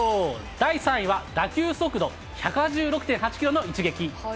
第３位は打球速度１８６．８キロの一撃。